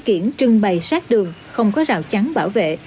cây kiển trưng bày sát đường không có rào trắng bảo vệ